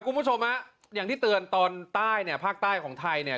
คุณผู้ชมฮะอย่างที่เตือนตอนใต้เนี่ยภาคใต้ของไทยเนี่ย